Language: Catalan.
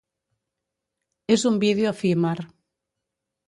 És un vídeo efímer.